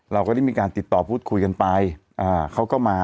เราก็ได้มีการติดต่อพูดคุยกันไปเขาก็มา